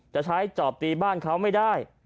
จะใช้จอบตีบ้านเขาไม่ได้